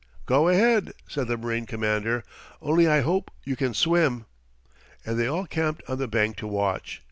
"Go ahead," said the marine commander "only I hope you can swim!" And they all camped on the bank to watch.